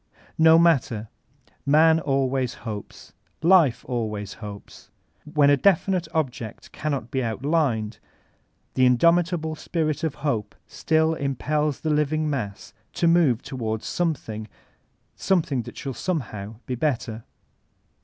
No matter: Man always hopes; Life always hopes. When a definite object cannot be outlined, the indomita ble spirit of hope still impeb the living mass to move to* ward something — something that ahall somehow be better.